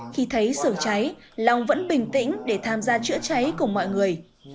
khi thấy sửa cháy long vẫn bình tĩnh để tham gia chữa cháy cùng mọi người